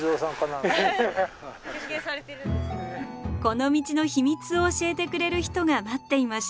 この道の秘密を教えてくれる人が待っていました。